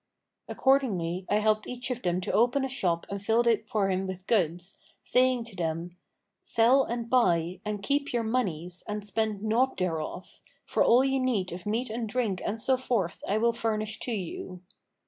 Accordingly, I helped each of them to open a shop and filled it for him with goods, saying to them, 'Sell and buy and keep your monies and spend naught thereof; for all ye need of meat and drink and so forth I will furnish to you.'